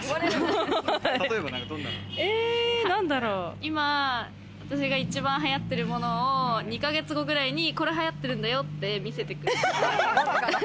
今、私が一番流行ってるものを２ヶ月後ぐらいに、これ流行ってるんだよって見せてくる。